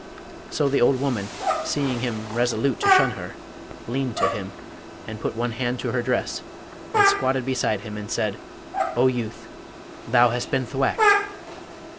So the old woman, seeing him resolute to shun her, leaned to him, and put one hand to her dress, and squatted beside him, and said, 'O youth, thou hast been thwacked!'